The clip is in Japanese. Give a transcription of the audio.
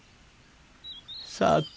さて。